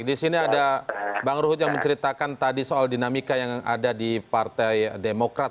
di sini ada bang ruhut yang menceritakan tadi soal dinamika yang ada di partai demokrat